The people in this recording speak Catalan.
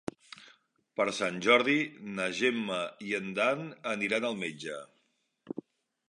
Per Sant Jordi na Gemma i en Dan aniran al metge.